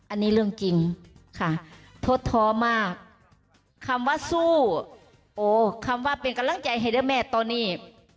อันนี้เรื่องจริงค่ะทดท้อมากคำว่าสู้โอ้คำว่าเป็นกำลังใจให้ด้วยแม่ตอนนี้